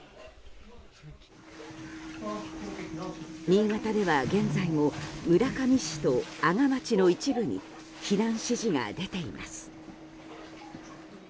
新潟では現在も村上市と阿賀町の一部に避難指示が出ています。